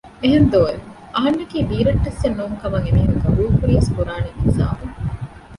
އެހެންދޯ އެވެ! އަހަންނަކީ ބީރައްޓެއްސެން ނޫން ކަމަށް އެމީހުން ގަބޫލުކުރިޔަސް ކުރާނީ މިހިސާބުން